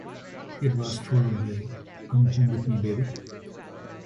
It was followed by "Come Home with Me Baby".